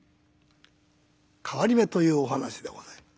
「替り目」というお噺でございます。